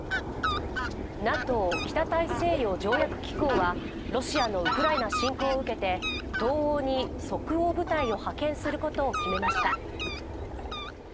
ＮＡＴＯ＝北大西洋条約機構はロシアのウクライナ侵攻を受けて東欧に即応部隊を派遣することを決めました。